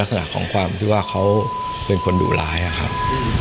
ขณะของความว่าเขาเป็นคนดูหลายนะครับ